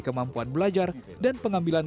kemampuan belajar dan pengambilan